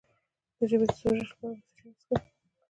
د ژبې د سوزش لپاره باید څه شی وڅښم؟